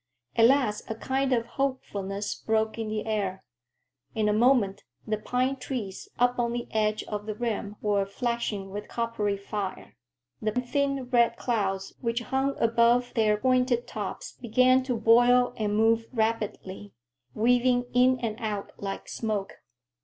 At last a kind of hopefulness broke in the air. In a moment the pine trees up on the edge of the rim were flashing with coppery fire. The thin red clouds which hung above their pointed tops began to boil and move rapidly, weaving in and out like smoke.